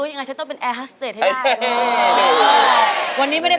ยังไงฉันต้องเป็นแอร์ฮัสเตจให้ได้